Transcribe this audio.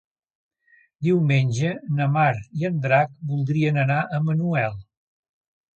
Diumenge na Mar i en Drac voldrien anar a Manuel.